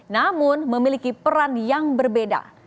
namun memiliki peran yang berbeda